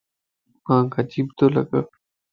مانک عجيب تو لڳا